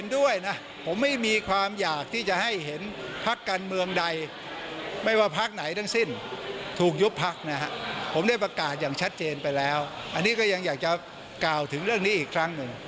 ผมได้ประกาศอย่างชัดเจนไปแล้วอันนี้ก็ยังอยากจะกล่าวถึงเรื่องนี้อีกครั้งหนึ่ง